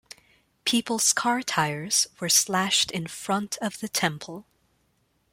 People's car tires were slashed in front of the temple.